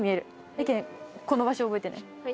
やけん、この場所覚えてね。